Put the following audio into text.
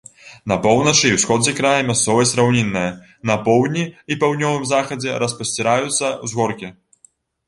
На поўначы і ўсходзе края мясцовасць раўнінная, на поўдні і паўднёвым захадзе распасціраюцца ўзгоркі.